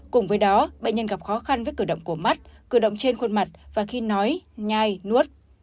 cùng với đó bệnh nhân gặp khó khăn với cử động của mắt cử động trên khuôn mặt và khi nói nhai nuốt